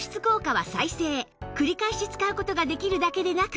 繰り返し使う事ができるだけでなく